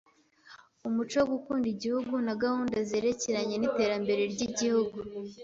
umuco wo gukunda igihugu na gahunda zerekeranye n’iterambere ry’Igihugu;